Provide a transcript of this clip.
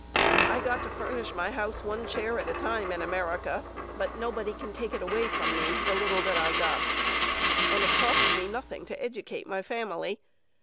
I got to furnish my house one chair at a time, in America, but nobody can take it away from me, the little that I got. And it costs me nothing to educate my family.